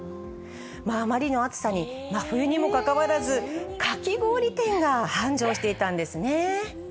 あまりの暑さに、真冬にもかかわらず、かき氷店が繁盛していたんですね。